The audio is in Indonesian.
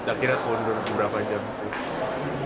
akhirnya kurang lebih berapa jam sih